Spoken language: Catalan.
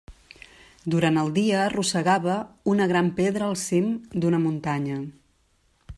Durant el dia arrossegava una gran pedra al cim d'una muntanya.